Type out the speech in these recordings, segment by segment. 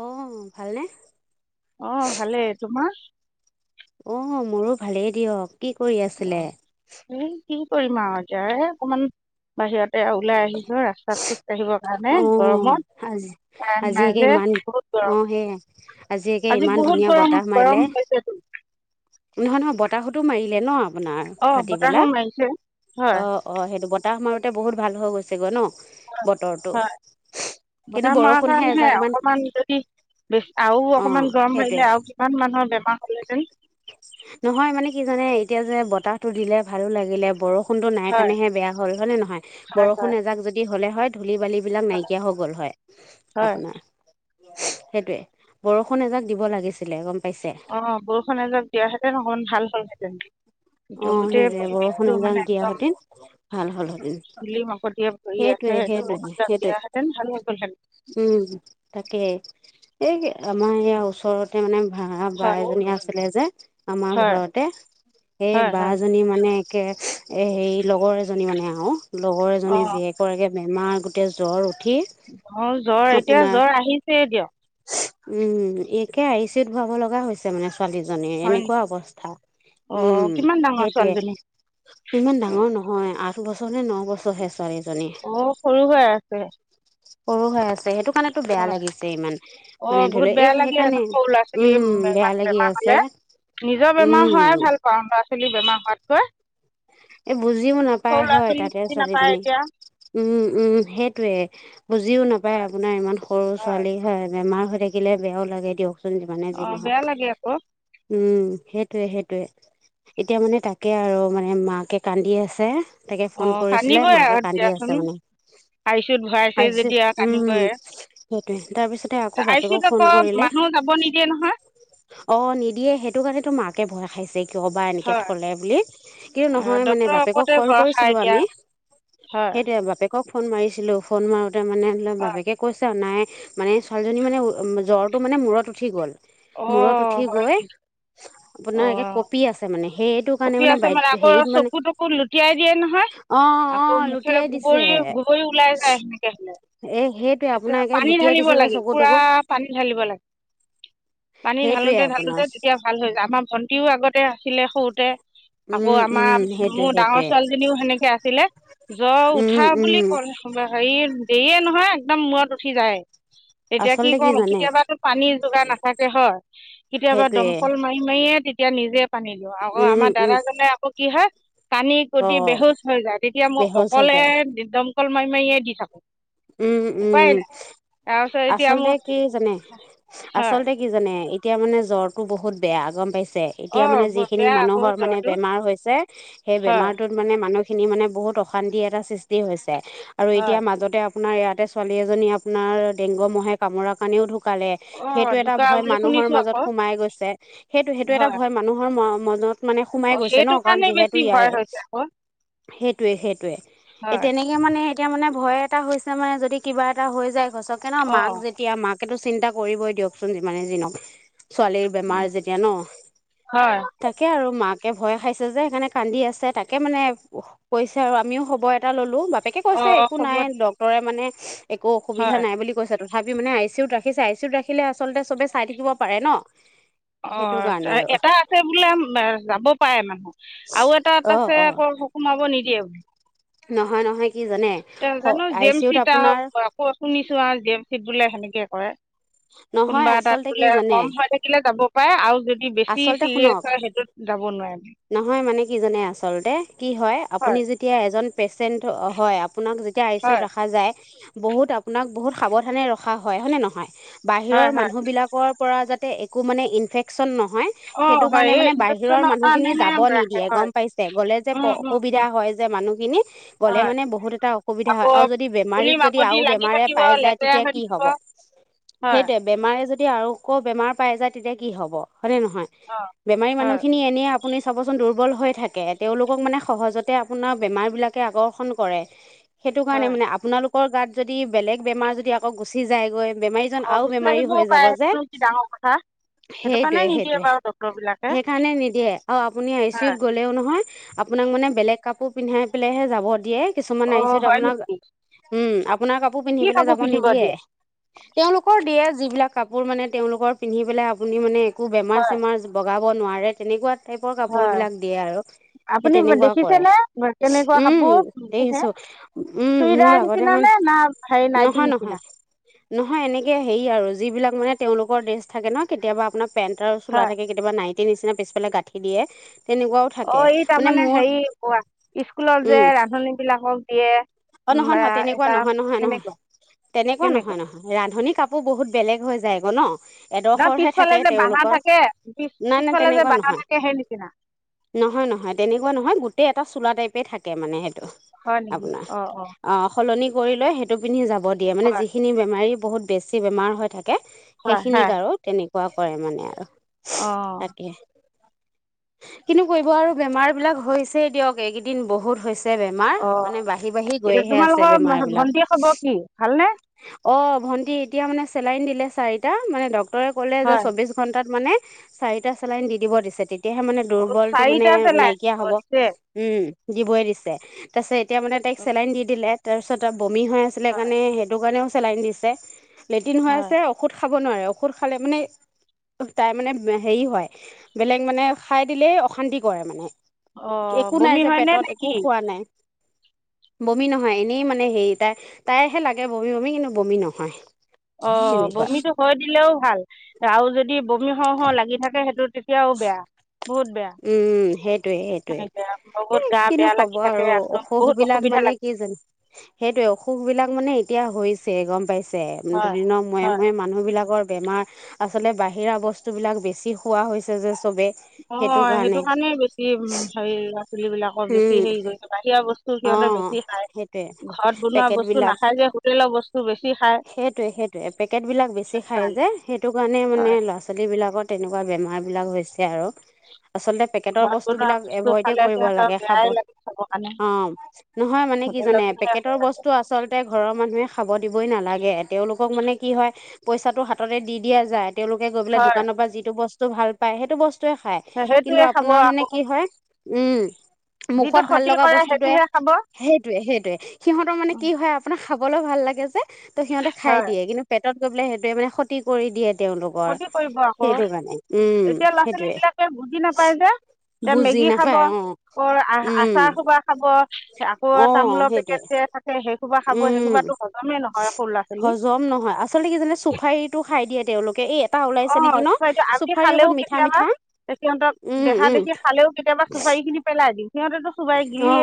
অ ভালনে ওহ ভালে তোমাৰ অ মোৰো ভালেই দিয়ক কি কৰি অ আছিলে এই কি কৰিম আৰু এতিয়া অকমান বাহিৰতে ওলাই আহি ৰাস্তাত খোজাঢ়িবৰ কাৰণে গৰমত [unintelligible] কাৰেণ্ট নাই আজিয়েকে যে ইমান বহুত অ গৰম সেয় আজিয়েকে আজি ইমান বহুত ধুনীয়া গৰম বতাহ গৰম মাৰিলে [inaudible] [unintelligible] নহয় নহয় বতাহতো মাৰিলে ন আপোনাৰ অ বতাহো ভাটিবেলা মাৰিছে হয় অ অ সেইটো বতাহ মাৰোতে বহুত ভাল হৈ গৈছে গৈ ন বতৰটো হয় কিন্তু বতাহ মাৰাৰ বৰষুণহে কাৰণহে এজাক মান অকমান যদি বেছ আৰু অঁ অকণমান গৰম সেইটোৱে হাৰিলে আৰু কিমান মানুহৰ বেমাৰ হ'লে যেন নহয় মানে কি জানে এতিয়া যে বতাহতো দিলে ভালো লাগিলে বৰষুণ বৰষুণটো নাই হয় কাৰণেহে বেয়া হ'ল হলে নহয় হয় বৰষুণ হয় এজাক যদি হলে হয় ধূলি বালিবিলাক হয় নাইকিয়া হৈ গ'ল হয় হয় আপোনাৰ সেইটোয়ে বৰষুণ এজাক দিব লাগিছিলে গম পাইছে অ বৰষুণ এজনক দিয়াহেতেন অকন ভাল হ'লহেঁতেন অ একদম গোটেই সেইটোৱে বৰষুণ পৰিৱেশটো এজাক মানে দিয়া একদম হেঁতেন ভাল হ'ল হেঁতেন ধূলিমাকতিয়ে ভৰি পৰে সেইটোৱে আহে এয়া সেইটোৱে বসন্ত সেইটোৱে দিয়াাহেতেন ভাল হৈ অল হেন উম তাকে [inaudible] এই আমাৰ ইয়াৰ ওচৰতে মানে ভাৰা বা হয় এজনী আছিলে যে আমাৰ হয় ঘৰতে সেই হয় বাহ হয় জনী মানে এনেকে এ সে লগৰ এজনী মানে আৰু লগৰ এজনী অঁ যীয়েকৰাক বেমাৰ গোটেই জ্বৰ উঠি অ জ্বৰ এতিয়া আপোনাৰ জ্বৰ আহিছেয় দিয়ক উম একে আহিছেত ধূৱাব লগা হৈছে মানে ছোৱালীজনীৰ হয় এনেকুৱা নেকি অৱস্থা অঁ উম কিমান ডাঙৰ সেইটয়ে ছোৱালীজনী ইমান ডাঙৰ নহয় আঠ বছৰ নে ন বছৰহে ছোৱালী অ সৰু হৈ আছে [inaudible] সৰু হৈ আছে সেইটো সেইকাৰণেতো বেয়া হয় লাগিছে ইমান অঁ মানে ধৰি বহুত লও এ বেয়া লাগে ন, সেইকাৰণে সৰু ল'ৰা ছোৱালী উম বেয়া ইমান লাগি বেমাৰ আছে হ'লে নিজৰ বেমাৰ উম হোৱাই ভাল পাওঁ ল'ৰা ছোৱালীৰ বেমাৰ হোৱাতকৈ এ বুজিও সৰু নাপায় ল'ৰা হয় ছোৱালী তাতে বুজি নাপায় ছোৱালীজনী এতিয়া উম উম সেইটোৱে বুজিও নাপায় হয় আপোনাৰ ইমান সৰু ছোৱালী হয় বেমাৰ হৈ থাকিলে বেয়াও লাগে দিয়ক। যি মানে যি অঁ নহওক। বেয়া লাগে আকৌ উম সেইটোৱে সেইটোৱে এতিয়া মানে তাকে আৰু মানে মাকে কান্দি আছে। তাকে ফোন অঁ কৰিছিলে কান্দিবই মাকে আৰু কান্দি আছে দিয়াচোন মানে। আই চি ইউত ভৰাইছে আহিছে যেতিয়া উম কান্দিবই উম তাৰপিছতে আকৌ আই চি বাপেকক ইউত আকৌ ফোন কৰিলে। মানুহ যাব নিদিয়ে নহয় অ নিদিয়ে সেইটো কাৰণে তো মাক ভয় খাইছে কিয় বা এনেকে হয় থলে বুলি কিন্তু অ, ন হয় মানে ডক্তৰৰ বাপেকক ওপৰতে কল ভৰসা কৰিছিলো এতিয়া আমি হয় সেইটোৱে বাপেক ক ফোন মাৰিছিলো ফোন মাৰোতে মানে হয় বাপেকে কৈছে নাই মানে ছোৱালীজনী মানে উম জ্বৰটো মানে মূৰত উঠি গ'ল। মূৰত অ' উঠি হয় গৈ আপোনাৰ একে অ' কঁপি আছে মানে সেই টো কাৰণে কঁপি মানে আছে বাই আকৌ হেৰিত মানে চকু তকু লুটিয়াই দিয়ে নহয় অ অ আকৌ মুখে লুটিয়াই দিছে গগৰ গুগৰি ওলাই যায় সেনে লে এ সেইটোৱে ত আপোনাৰ একে পানী লুটিয়াই ঢালিব দিছে যে লাগে চকু পুৰা তকু পানী ঢালিব লাগে পানী সেইটোৱে ঢালোতে ঢালোতে আপোনাৰ তেতিয়া ভাল হৈ যায় আমাৰ ভন্টিও আগতে আছিলে সৰুতে। আকৌ উম উম আমাৰ সেইটোৱে মোৰ সেইটোৱে ডাঙৰ ছোৱালীজনীও সেনেকে আছিলে। জ্বৰ উঠা উম উম বুলি ক হেৰি দেৰিয়ে নহয় একদম মূৰত উঠি যায়। এতিয়া কি আচলতে কওঁ জানে কেতিয়াবাতো পানী যোগাৰ নাথাকে হয় কেতিয়াবা সেইটোৱে দমকল মাৰি মাৰিয়ে এতিয়া নিজে পানী দিওঁ আকৌ উম আমাৰ উম দাদাজনে আকৌ কি হয় টানি অ কুটি বেহোজ হৈ যায় তেতিয়া মই বেহুচ হৈ অকলে যায় দমকল মাৰি মাৰিয়ে দি থাকো। উম উম উপায় উম। নাই তাৰপিছত এতিয়া আচলতে মোৰ কি জানে হয় আচলতে কি জানে এতিয়া মানে জ্বৰটো বহুত বেয়া গম পাইছে অ এতিয়া মানে বৰ যিখিনি বেয়া আকৌ মানুহৰ মানে জ্বৰটো বেমাৰ হৈছে সেই হয় বেমাৰটোত মানে মানু খিনি মানে বহুত অশান্তি এটা সৃষ্টি হৈছে আৰু হয় এতিয়া মাজতে আপোনাৰ ইয়াতে ছোৱালী এজনী আপোনাৰ ডেংগু মহে কামোৰাৰ কাৰণেও শুকালে অ সেইটো এটা ঢুকা ভয় বুলি মানুহৰ শুনিছো মাজত আকৌ সোমাই গৈছে সেইটো সেইটো এটা হয় ভয় মানুহৰ মনত মানে সোমাই অ গৈছে ন সেইটো কাৰণ কাৰণে যিহেতু বেছি ভয় ইয়াৰে হৈছে আকৌ সেইটোৱে সেইটোৱে এ হয় তেনেকে মানে এতিয়া মানে ভয় এটা হৈছে মানে যদি কিবা এটা হৈ যায় খচকে ন অ মাক যেতিয়া মাক তাকেতো চিন্তা কৰিবই দিয়কচোন যিমানেই জি নক। ছোৱালীৰ বেমাৰ যেতিয়া ন, হয় তাকে আৰু মাক তাকে ভয় খাইছে যে সেইকাৰণে কান্দি আছে তাকে মানে কৈছে আৰু আমিও খবৰ এটা ল'লো বাপেকে অ কৈছে একো নাই খবৰ ডক্তৰে মানে একো হয় অসুবিধা নাই বুলি কৈছে ত থাবি মানে আই চি ইউত ৰাখিছে আই চি ইউত ৰাখিলে আচলতে চবে চাই থাকিব পাৰে ন। অ সেইটো কাৰণে আৰু এটা আছে বোলে যাব পাৰে মানুহ। আৰু এটাত অঁ আছে অঁ আক সোমাব নিদিয়ে। নহয় নহয়। কি জানে জানো আই জিম চি ইউত চিত আপোনাৰ আৰু শুনিছো আৰু জি এম চিত বোলে সেনেকে কৰে। নহয় কোনোবা আচলতে এতাত কি বোলে জানে কম হৈ থাকিলে যাব পায় আৰু যদি বেছি আচলতে চিৰিয়াছ শুনক হয় সেইটোত যাব নোৱাৰে। নহয় মানে কি জানে আচলতে কি হয় আপুনি যেতিয়া এজন পেচেণ্ট হয় আপোনাক যেতিয়া আইচিউৎ হয় ৰখা যায় বহুত আপোনাক বহুত সাৱধানে ৰখা হয় হয়নে নহয় বাহিৰৰ হয় হয় মানুহবিলাকৰ পৰা যাতে একো মানে ইনফেকচন নহ নহয় অ' সেইটো হয় কাৰণে এই মানে বাহিৰৰ ইনফেকচনৰ মানুহখিনি কাৰণেহে যাব ৰাখে নিদিয়ে গম হয় পাইছে গ'লে যে উম উম অসুবিধা উম হয় যে মানুহখিনি গ'লে হয় মানে বহুত এটা অসু সুবিধা আকৌ হয় আৰু যদি ধূলি বেমাৰীক যদি মাকতি আৰু লাগি বেমাৰে থাকিব পাই যায় লেতেৰা তেতিয়া হৈ কি থাকিব হ'ব হয় অ' সেইটোয়ে বেমাৰে যদ যদি আৰু আকৌ বেমাৰ পাই যায় তেতিয়া কি হব হয়নেে নহয় বেমাৰী মানুহ হয় খিনি এনে শুনি চাবচোন দুৰ্বল হৈ থাকে তেওঁলোকক মানে সহজতে আপোনাৰ বেমাৰবিলাকে আকৰ্ষণ কৰে। সেইটো কাৰণে হয় মানে আপোনালোকৰ গাত যদি বেলেগ বেমাৰ যদি আকৌ গুচি যায়গৈ বেমাৰীজন অ' আৰু গুচি বেমাৰী আহিবও হৈ যাব পাৰে যে, সেইটোনো কি ডাঙৰ কথা সেইটো কাৰণে সেইটয়ে নিদিয়ে সেইটয়ে বাৰু ডক্তৰ বিলাকে সেইকাৰণে নিদিয়ে। অঁ আপুনি আই চি হয় ইউত গ'লেও নহয় আপোনাক মানে বেলেগ কাপোৰ পিন্ধাই পেলাইহে যাব দিয়ে। কিছুমান অ' আহিছোত হয় আপোনাৰ নেকি? উম আপোনাৰ কাপোৰ পিন্ধি কি পলৈ কাপোৰ যাব পিন্ধিব নিদিয়ে। দিয়ে? তেওঁলোকৰ দিয়ে যিবিলাক কাপোৰ মানে তেওঁওলোকৰ পিন্ধি পেলাই আপুনি মানে একো বেমাৰ হয় চেমাৰ বগা, নোৱাৰে তেনেকুৱা টাইপৰ কাপোৰ হয় বিলাক দিয়ে আৰু সেই আপুনি তেনেকুৱা কৰে দেখিছেনেে কেনেকুৱা উম কাপোৰ দেখিছে দেখিছো উম মোৰ চুইদাৰ আগতে নিচিনা মানে নে? না ভাই ন কি নহয় নহয় নিচিনা, নহয় এনেকে হেৰি আৰু যিবিলাক মানে তেওঁোকৰ ড্ৰেছ থাকে ন কেতিয়াবা আপোনাৰ পেণ্ আৰু চোলা হয়। থাকে কেতিাবা নাইটতি নিচিনা পিছেলে গাঁঠি, দিয়ে, তেনেকুৱাও অ থাকে ই মানে তাৰমানে মোৰ হেৰি কোৱা স্কুলত যে উম ৰান্ধনী বিলাকক দিয়ে। অ উম নহয় নহয় আহ, তেনেকুৱা এটা নহয় নহয় নহয় সেনেকুৱা। তেনেকুৱা নহয় কেনেকুৱা? নহয় ৰান্ধনী কাপোৰ বহুত বেলেগ, বেগ হৈ যায় আগৌ ন, ন এডখৰহে পিছফালে থাকে যে বাহা তেওঁলোকৰ থাকে পিছ নাই না পিছফালে যে তেনেকুৱা বাহা নহয়। থাকে সেই নিচিনা। নহয় নহয় তেনেকুৱা নহয় গোটেই এটা চোলা টাইপে থাকে মানে স হয় নেকি অ' অ সলনি কৰি লৈ সেইটো পিন্ধি যাব দিয়ে মানে হয় যিখিনি বেমাৰী বহুত বেছি বেমাৰ হৈ থাকে তাকে হয় সেইখিনিক আৰু তেনেকুৱা কৰে মানে আৰু আহ' তাকে কিনো কৰিব আৰু বেমাৰ বিলাক হৈছেই দিয়ক এইকেইদিন বহুত হৈছে। ছে বেমাৰ অ' মানে বাঢ়ি বাঢ়ি এতিয়া গৈহে আছে তোমালোকৰ বেমাৰ ভন্টিৰ খবৰ কি ভালনে? বিলাক। অ ভন্টি এতিয়া মানে চেলাইন দিলে চাৰিটা মানে ডক্তটৰে ক'লে যে হয়। চৌবিশ ঘণ্টাত মানে। চাৰিটা চালাইন দি দিব দিছে তেতিয়াহে মানে অ', দুৰ্বলতটো মানে চাৰিটা চেলাই নাইকিয়া হব, দিছে। উম। দিবই দিছে তাৰপিছত এতিয়া মানে। তাইক চেলাইন দি দিলে তাৰপিছত বমি হৈ আছিলে হয়। কাৰণে সেইটো কাৰণেও চেলাইন দিছে। লেট্ৰিন হৈ হয়। আছে ঔষধ খাব নোৱাৰে ঔষধ খালে মানে। তাই মানে হেৰি হয় বেলেগ মানে খাই দিলে অশান্তি কৰে মানে। অ', একো নাই বমি যে হয়নে নে পেটত নে একো কি? খোৱা নাই। বমি নহয় এনেই মানে হেৰি তাই তাইহে লাগে বমি বমি কিন্তু বমি নহয়। অ' তেনেকুৱা বমিটো হৈ দিলেও ভাল আৰু যদি বমি হও, হও লাগি থাকে সেইটোত। কিয়ও বেয়া। উম সেইটয়ে সেইটয়ে সেনেকে এ বহুত গা কিনো বেয়া কব লাগি থাকে আৰু একদম অসুখ বহুত বিলাক অসুবিধা মানে। লাগে কি জানো সেইটোয়ে অসুখ বিলাক মানে এতিয়া। চ গম পাইছে হয়। দুদিনৰ ময়ে হয়। ময়ে মানুহ বিলাকৰ। বেমাৰ আচলতে বাহিৰা বস্তুবিলাক বেছি খোৱা হৈছে যে চবেই। অ' সেইটো কাৰণেই বেছি হেৰি। ুলিবিলাকৰ বেছি উম হেৰি কৰিছে বাহিৰা বস্তু সিহঁতে অঁ বেছি খায় ঘৰত বনোৱা বস্তু নাখায় যে। হোটেলৰ বস্তু বেছি খায় সেইটয়ে সেইটোয়ে পেকেট বিলাক বেছি সেইটো খাই কাৰণে যে সেইটো কাৰণে মানে হয়। ল'ৰা ছোৱাল। ছোৱালীবিলাকৰ তেনেকুৱা বেমাৰবিলাক হৈছে আৰু। আচলতে পেকেটৰ ঘৰত বস্তু বনোৱা বিলাক বস্তু এভইডে খালে কৰিব লাগে। সিহঁতৰ খাব বেয়াই লাগি থাব। অ নহয় মানে কি জানে ভাল পেকেটৰ লাগে। বস্তু আচলতে ঘৰৰ মানুহে খাব দিব। দিবই নালাগে তেওঁলোকক মানে কি হয় পইচাটো হাততে দি দিয়া যায়। তেওঁলোকে গৈ পেলাই হয় দোকানৰ পৰা যিটো বস্তু ভাল পায় সেইটো বস্তু। য়ে খায় কিন্তু সেইটোৱে খাব আপোনাৰ আকৌ মানে কি হয় উম যিটো মুখত ভাল ক্ষতি লগা কৰে বস্তুতয়ে সেইটোহে খাব সেইটোয়ে সেইটয়ে সিহঁতৰ মানে উম, কি হয় আপোনাৰ। খাবলৈ ভাল লাগে যে ত' সিহঁতে খাই হয় দিয়ে কিন্তু পেটত গৈ পলে সেইটোৱে মে ক্ষতি কৰি দিয়ে। তেওঁলোকৰ ক্ষতি কৰিব আকৌ সেইটো কাৰণে উম, এতিয়া ল'ৰা সেইটোয়ে। ছোৱালীবিলাকে বুজি নাপায় বুজি নাপায় অ। আক আহ উম আচাৰ খোবা খাব, আকৌ অ', তামোলৰ সেইটোৱে পেকেট যে থাকে সেই। কোব খ উম সেইোবাতো হজ হজম নহয় আচলতে কি জানে চুফাৰীটো খাই দিয়ে তেওঁলোকে। এই এটা অ ওলাইছে নেকি ন হয়তো আমি চুফাৰী খালেও অকণ মিঠা কেতিয়াবা। মিঠা তে সিহঁতক উম দেখা উম দেখি খালেও, কেতিয়াবা চুপাৰী খিনি পেলাই দিম। অ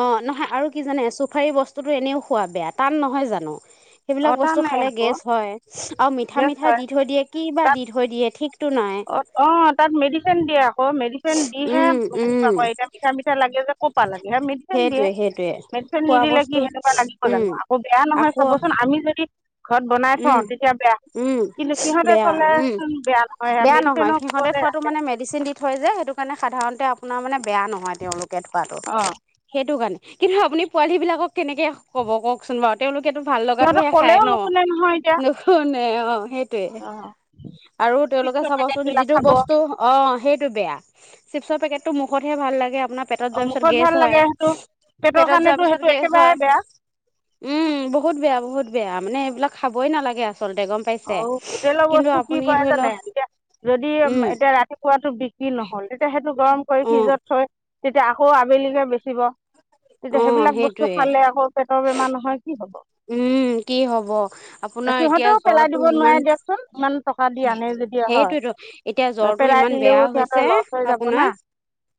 অ নহয় আৰু কি জানে চু। কুফাৰী বস্তুটো এনেও খোৱা বেয়া টান নহয় জানো। সেইবিলাক অঁ বস্তু টানেই খালে আকৌ গেছ হয় আৰু মিঠা গেছ মিঠা দি হয় থৈ দিয়ে কি বা দি থৈ দিয়ে ঠিক। অ', -অ' তাত মেডিচিন দিয়ে আকৌ মেডিচিন দিহে উম উম সেনেকুৱা ক এতিয়া মিঠা-মিঠা লাগে যে কপা লাগে মেডিচিন দিয়ে। সেইটোৱে সেইটোৱে মেডিচিন খোৱা নিদিলে কি বস্তু সেনেকুৱা লাগিব উম জানো আকৌ বেয়া নহয় আকৌ চাবচোন আমি যদি। ঘৰত বনাই থওঁ উম তেতিয়া বেয়া উম কিন্তু সিহঁতে বেয়া উম। চলেচোন বেয়া নহয় সেয়া বেয়া নহয় মেডিচিনৰ সিহঁতে ওপৰতে থোৱাটো ৰাখে মানে মেডিচিন দি থয় যে, সেইটো কাৰণে সাধাৰণতে আপোনাৰ মানে বেয়া নহয় তেওঁলোকে থোৱাতো অ সেইটো কাৰণে। কিন্তু আপুনি পোৱালী বিলাকক কেনেকে কব কওকচোন বাৰু তেওঁলোকেতো ভাল সিহঁতক লগাতোহে খাই ক'লেও ন। নুশুনে নহয় এতিয়া নখ নে অ হেতিয়ে। অ [unintelligible] আৰু তেওঁলোকে চিপছৰ চাবচোন পেকেটবিলাক যিটো খাব বস্তু অ' সেই। বেয়া চিপচৰ পেকেটটো মুখত হা ভাল লাগে। আপোনাৰ পেটত অ যোৱাৰ পিছত মুখত গেছ ভাল লাগে হয় সেইটো পেটৰ পেটত কাৰণেতো যোৱাৰ পিছত সেইটো গেছ একেবাৰে হয়। বেয়া উম, বহুত বেয়া, বহুত বেয়া মানে এইবিলাক খাবই নালাগে। আচলতে গম পাইছে অ হোটেলৰ কিন্তু বস্তু কি আপুনি কৰে ধৰি জানে লওক এতিয়া যদি উম এতিয়া ৰাতিপুৱাতো বিক্ৰী নহয়। তেতিয়া সেইটো গৰম কৰি অ ফ্ৰিজত থৈ তেতিয়া আকৌ আবেলিলৈ বেচিব, অ তেতিয়া সেইবিলাক বস্তু সেইটোৱে খালে আকৌ পেটৰ বেমাৰ নহয় কি হব উম কি হব আপোনাৰ এতিয়া সিহঁতেও পেলাই জ্বৰটো দিব ইমান নোৱাৰে দিয়কচোন ইমান টকা দি আনে যদি হয় সেইটোতো এতিয়া জ্বৰটো পেলাই ইমান বেয়া দিলেও হৈছে। সিহঁতৰ লছ হৈ যাব না আপোনাৰ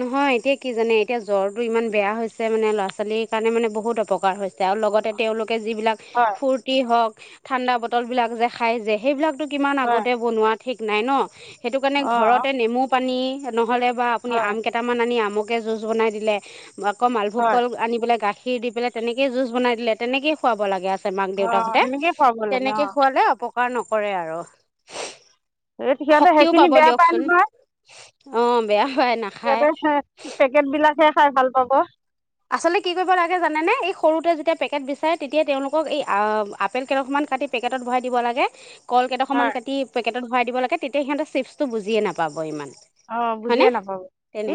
নহয় এতিয়া কি জানে এতিয়া জ্বৰ ইমান বেয়া হৈছে মানে ল'ৰা ছোৱালীৰ কাৰণে মানে বহুত অপকাৰ হৈছে আৰু লগতে তেওঁলোক যিবিলাক হয় ফুৰ্টি হক থান্দা বটল বিলাক যে খায় যে সেইবিলাক কিমান হয় আগতে বনোৱা ঠিক নাই ন সেইটো কাৰণে অঁ ঘৰতে নেমু পানী নহ'লে বা আপুনি হয় আম কেইটামান আনি আমকে জুচ বনাই দিলে আকৌ মালভোগ হয় কল আনি পেলাই গাখীৰ খীৰ দি পেল তেনেকে জুজ বনাই দিলে তেনেকে খুৱাব লাগে মাক অঁ দেউতাকহঁতে সেনেকৈয়ে খুৱাব লাগে তেনেকে অঁ খুৱালে অপকাৰ নকৰে আৰু। সিহঁতে শক্তিও সেইখিনি পাব বেয়া পায় দিয়কচোন অঁ বেয়া। পায় নাখায় ইয়াতেহে পেকেট বিলাকহে খাই ভাল পাব আচলতে কি কৰিব লাগে জানেনে এই সৰুতে যেতিয়া পেকেট বিচাৰে তেতিয়া তেওঁলোকক এই আ আপেল কেদখৰমান কাটি পেকেটত ভৰাই দিব লাগে কল হয় কেইদখৰমান কাটি পেকেটত ভৰাই দিব লাগে তেতিয়া সিহঁতে চিপছটো বুজিয়ে নাপাব ইমান। অ বুজিয়ে হয়নে নাপাব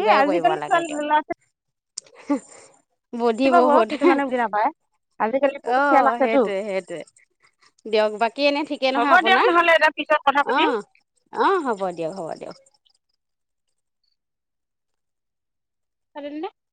এই কৰিব আজিকালি লাগে দিয়ক ছোৱালী [unintelligible] বুদ্ধি ছোৱালী পাব বহুত কিছুমানে বুজি নাপায় আজিকালি অ বহুত খেল আছেতো সেটোয়ে সেটোয়ে দিয়ক বাকী এনে ঠিকেই হ'ব নহয় দিয়ক আপোনাৰ নহ'লে এতিয়া পিছত কথা আহ অ হ'ব দিয়ক হ'ব দিয়ক [unintelligible]